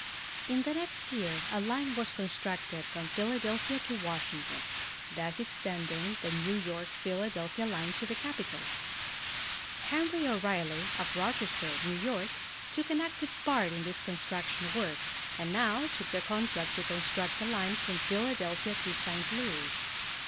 In the next year a line was constructed from Philadelphia to Washington, thus extending the New York Philadelphia line to the capital. Henry O'Reilly, of Rochester, New York, took an active part in this construction work and now took the contract to construct a line from Philadelphia to St. Louis.